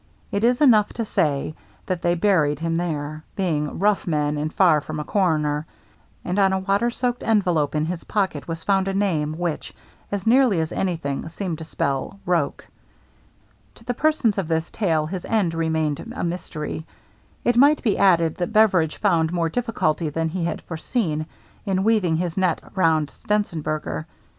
It is enough to say that they buried him there, being rough men and far from a coroner ; and that on a water soaked envelope in his pocket was found a name which, as nearly as anything, seemed to spell " Roche." To the persons of this tale his end remained BEVERIDGE SURPRISES HIMSELF 417 a mystery. It might be added that Beveridge found more difficulty than he had foreseen in weaving his net around Stenzenberger.